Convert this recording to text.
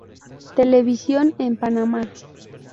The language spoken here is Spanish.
Televisión en Panamá